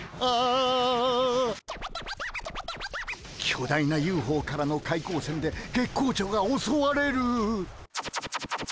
巨大なＵＦＯからの怪光線で月光町がおそわれる。